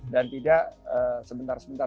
dan tidak sebentar sementar